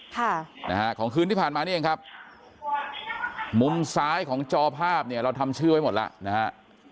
ค่ะนะฮะของคืนที่ผ่านมานี่เองครับมุมซ้ายของจอภาพเนี่ยเราทำชื่อไว้หมดแล้วนะฮะ